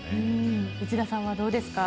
内田さんは、どうですか？